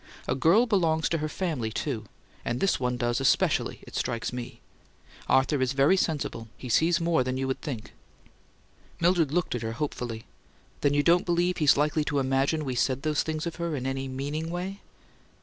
A girl belongs to her family, too and this one does especially, it strikes me! Arthur's very sensible; he sees more than you'd think." Mildred looked at her hopefully. "Then you don't believe he's likely to imagine we said those things of her in any meaning way?"